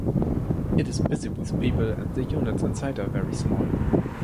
It is busy with people and the units inside are very small.